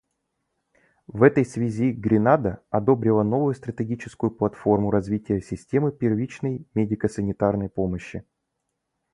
В этой связи Гренада одобрила новую стратегическую платформу развития системы первичной медико-санитарной помощи.